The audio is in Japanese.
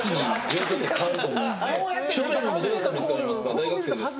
大学生です。